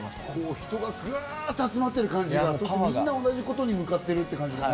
人がグっと集まってる感じがみんな同じことに向かってるって感じがね